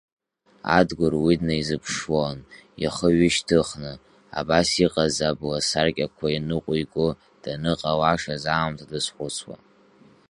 Адгәыр уи днаизыԥшлон, ихы ҩышьҭхны, абас иҟаз абласаркьақәа ныҟәиго даныҟалашаз аамҭа дазхәыцуа.